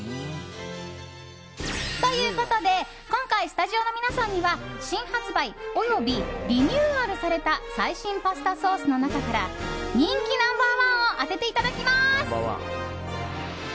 ということで、今回スタジオの皆さんには新発売及びリニューアルされた最新パスタソースの中から人気ナンバー１を当てていただきます。